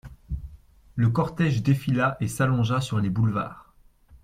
Le cortége défila et s'allongea sur les boulevards.